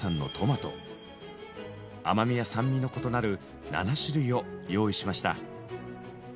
甘みや酸味の異なる７種類を用意しました。